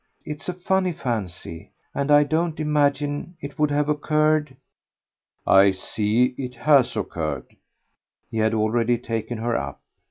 It's a funny fancy, and I don't imagine it would have occurred " "I see it HAS occurred" he had already taken her up.